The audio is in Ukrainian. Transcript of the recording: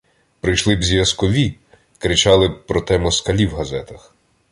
Прийшли б зв'язкові, кричали б про те москалі в газетах.